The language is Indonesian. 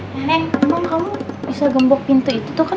neneng emang kamu bisa gembok pintu itu tuh kan